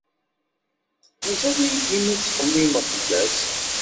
Mazal-iyi dima ttxemmimeɣ fell-as.